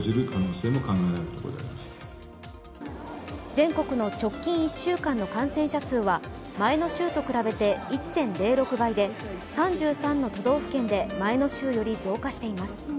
全国の直近１週間の感染者数は前の週と比べて１．０６倍で３３の都道府県で前の週より増加しています。